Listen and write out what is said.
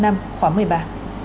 trung ương năm khóa một mươi ba